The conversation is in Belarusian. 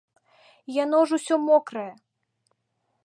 Яно ж усё мокрае.